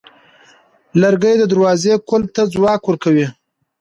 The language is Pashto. لرګی د دروازې قلف ته ځواک ورکوي.